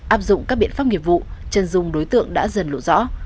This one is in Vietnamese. áp dụng các biện pháp nghiệp vụ chân dung đối tượng đã dần lộ rõ